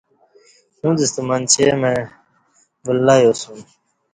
اُݩڅ ستہ منچے مع ولہ یاسُوم